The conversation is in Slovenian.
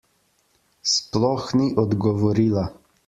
Sploh ni odgovorila.